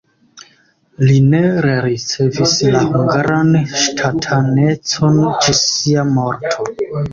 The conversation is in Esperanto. Li ne rericevis la hungaran ŝtatanecon ĝis sia morto.